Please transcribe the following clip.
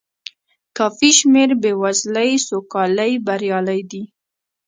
کافي شمېر بې وزلۍ سوکالۍ بریالۍ دي.